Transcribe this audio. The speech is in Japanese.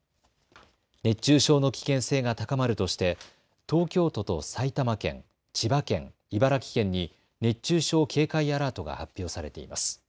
熱中症の危険性が高まるとして東京都と埼玉県、千葉県、茨城県に熱中症警戒アラートが発表されています。